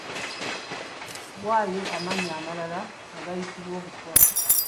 Waayo amannya amalala agayitibwa obutwa .